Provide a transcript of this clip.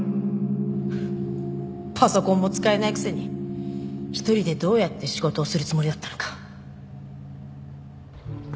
パソコンも使えないくせに一人でどうやって仕事をするつもりだったのか。